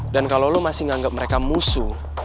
dan kalo lo masih nganggep mereka musuh